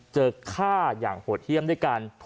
ฆ่าอย่างโหดเยี่ยมด้วยกัน